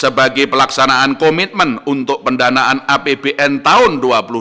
sebagai pelaksanaan komitmen untuk pendanaan apbn tahun dua ribu dua puluh